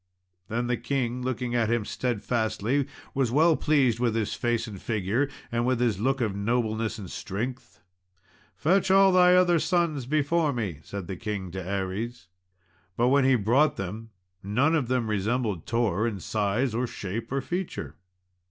Then the king, looking at him steadfastly, was well pleased with his face and figure, and with his look of nobleness and strength. "Fetch all thy other sons before me," said the king to Aries. But when he brought them, none of them resembled Tor in size or shape or feature.